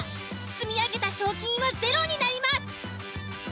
積み上げた賞金はゼロになります。